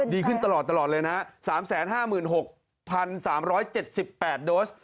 ดีขึ้นตลอดเลยนะ๓๕๖๓๗๘โดส